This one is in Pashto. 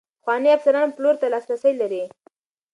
پخواني افسران پلور ته لاسرسی لري.